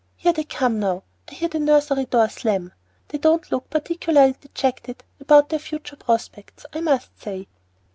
Here they come now. I hear the nursery door slam. They don't look particularly dejected about their future prospects, I must say."